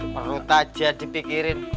perut aja dipikirin